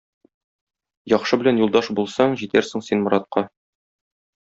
Яхшы белән юлдаш булсаң, җитәрсең син моратка,